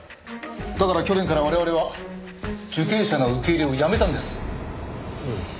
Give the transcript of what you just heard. だから去年から我々は受刑者の受け入れをやめたんです。